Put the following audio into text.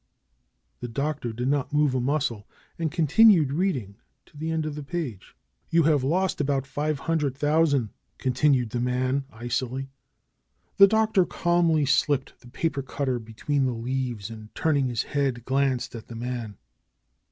The Doctor did not move a muscle and continued reading to the end of the page. ^^You have lost about five hundred tliousand, I guess," continued the man icily. The Doctor calmly slipped the paper cutter between the leaves and turning his head glanced at the man.